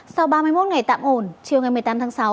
sau ba mươi một ngày tạm ổn chiều ngày một mươi tám tháng sáu